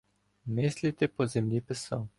Мисліте по землі писав.